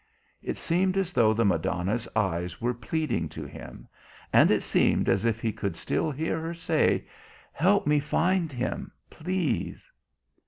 It seemed as though the Madonna's eyes were pleading to him, and it seemed as if he could still hear her say, "Help me find him, please!"